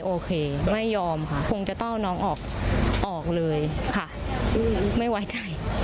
โอเคไม่ยอมค่ะคงจะต้องเอาน้องออกเลยค่ะไม่ไว้ใจ